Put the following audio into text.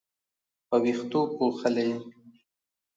په وېښتو پوښلې